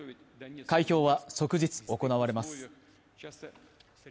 開票は即日行われます。